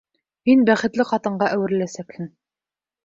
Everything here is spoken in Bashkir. Һин бәхетле ҡатынға әүереләсәкһең.